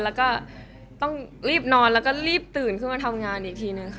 แล้วก็ต้องกำลังตื่นมาทำงานอีกที